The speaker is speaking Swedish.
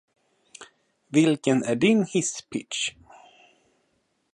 Vilken är din hisspitch?